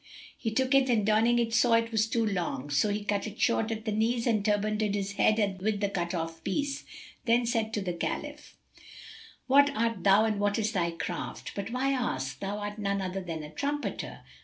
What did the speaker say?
He took it and donning it saw it was too long; so he cut it short at the knees and turbanded his head with the cut off piece; then said to the Caliph, "What art thou and what is thy craft? But why ask? Thou art none other than a trumpeter."